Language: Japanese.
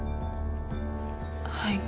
はい。